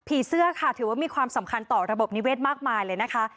เสื้อค่ะถือว่ามีความสำคัญต่อระบบนิเวศมากมายเลยนะคะ